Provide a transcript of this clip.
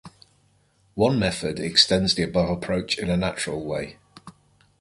One method extends the above approach in a natural way.